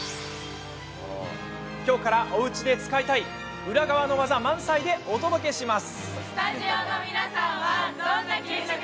今日から、おうちで使いたい裏側のワザ満載でお届けします。